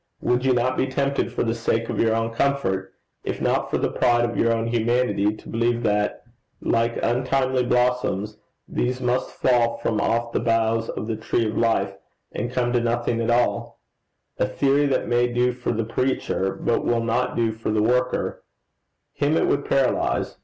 Would you not be tempted, for the sake of your own comfort, if not for the pride of your own humanity, to believe that, like untimely blossoms, these must fall from off the boughs of the tree of life, and come to nothing at all a theory that may do for the preacher, but will not do for the worker: him it would paralyze?